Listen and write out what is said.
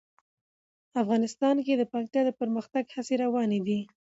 افغانستان کې د پکتیا د پرمختګ هڅې روانې دي.